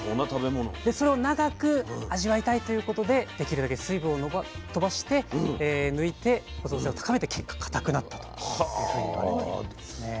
それを長く味わいたいということでできるだけ水分を飛ばして抜いて保存性を高めた結果固くなったというふうに言われてるんですね。